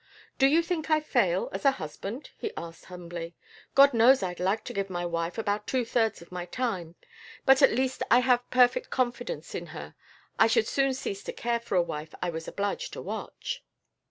"Do you think I fail as a husband?" he asked humbly. "God knows I'd like to give my wife about two thirds of my time, but at least I have perfect confidence in her. I should soon cease to care for a wife I was obliged to watch."